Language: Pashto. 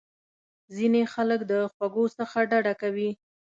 ځینې خلک د خوږو څخه ډډه کوي.